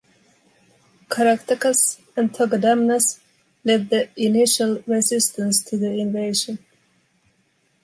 Caratacus and Togodumnus led the initial resistance to the invasion.